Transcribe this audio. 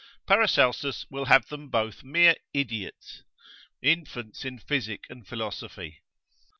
Paracelsus will have them both mere idiots, infants in physic and philosophy.